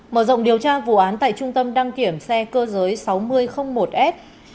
mở rộng điều tra vụ án tại trung tâm đăng kiểm xe cơ giới sáu nghìn một s